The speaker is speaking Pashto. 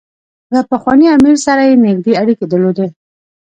له پخواني امیر سره یې نېږدې اړیکې درلودې.